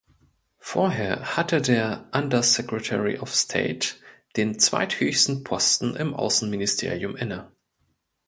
Vorher hatte der "Under Secretary of State" den zweithöchsten Posten im Außenministerium inne.